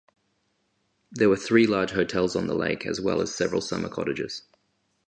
There were three large hotels on the lake as well as several summer cottages.